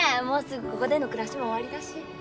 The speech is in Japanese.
もうすぐここでの暮らしも終わりだし。